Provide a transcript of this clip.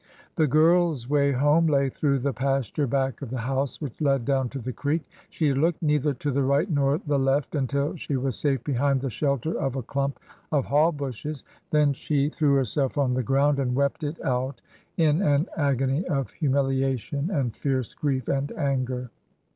The girl's way home lay through the pasture back of the house which led down to the creek. She had looked neither to the right nor the left until she was safe behind the shelter of a clump of haw bushes. Then she threw 56 ORDER NO. 11 herself on the ground, and wept it out in an agony of hu* miliation and fierce grief and anger.